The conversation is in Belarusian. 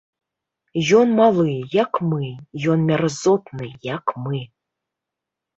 Ён малы, як мы, ён мярзотны, як мы!